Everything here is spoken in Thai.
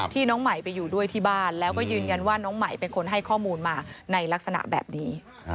น้องใหม่ไปอยู่ด้วยที่บ้านแล้วก็ยืนยันว่าน้องใหม่เป็นคนให้ข้อมูลมาในลักษณะแบบนี้